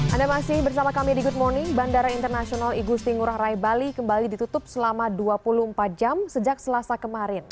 anda masih bersama kami di good morning bandara internasional igusti ngurah rai bali kembali ditutup selama dua puluh empat jam sejak selasa kemarin